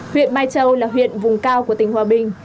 huyện mai châu là huyện vùng cao của tỉnh hòa bình